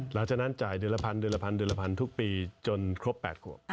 หลังจากนั้นจ่ายเดือนละพันทุกปีจนครบ๘กว่า